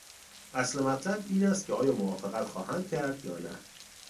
اصل مطلب این است که آیا موافقت خواهند کرد یا نه.